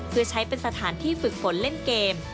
เพื่อใช้เป็นสถานที่ฝึกฝนเล่นเกม